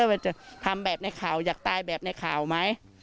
ว่าจะทำแบบในข่าวอยากตายแบบในข่าวไหม